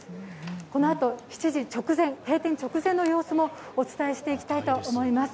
このあと７時直前、閉店直前の様子もお伝えしたいと思います。